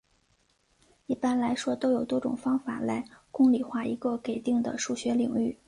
一般来说都有多种方法来公理化一个给定的数学领域。